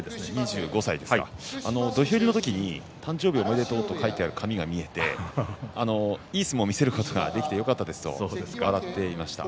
２５歳ですか土俵入りの時に誕生日おめでとうと書いてある紙が見えていい相撲を見せることができてよかったですと笑っていました。